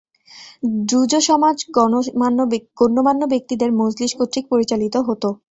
Druze সমাজ গণ্যমান্য ব্যক্তিদের মজলিস কর্তৃক পরিচালিত হত।